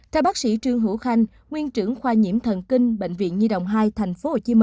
theo bác sĩ trương hữu khanh nguyên trưởng khoa nhiễm thần kinh bệnh viện nhi đồng hai tp hcm